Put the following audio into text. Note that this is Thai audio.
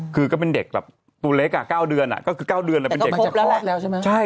คือก็เป็นเด็กแบบตัวเล็ก๙เดือนก็คือ๙เดือนแล้วเป็นเด็กตั้งแต่แรกแล้วใช่ไหม